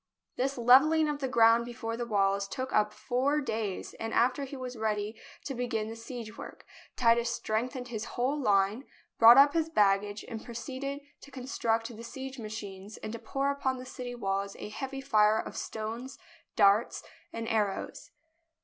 This levelling of the ground before the walls took up four days, and after he was ready to begin the siegework, Titus strengthened his whole line, brought up his baggage, and proceeded to construct the siege machines and to pour upon the city walls a heavy fire of stones, darts, and arrows.